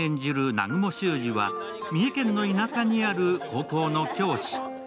南雲脩司は三重県の田舎にある高校の教師。